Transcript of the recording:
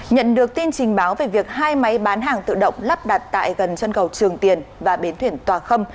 nhận được tin trình báo về việc hai máy bán hàng tự động lắp đặt tại gần chân cầu trường tiền và bến thuyền tòa khâm